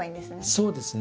そうですね。